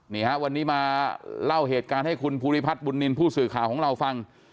นี่ฮะวันนี้มาเล่าเหตุการณ์ให้คุณภูริพัฒน์บุญนินทร์ผู้สื่อข่าวของเราฟัง